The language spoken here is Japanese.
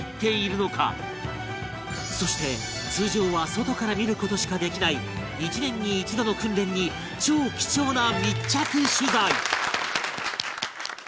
そして通常は外から見る事しかできない１年に一度の訓練に超貴重な密着取材